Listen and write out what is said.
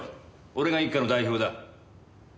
俺が一課の代表だ。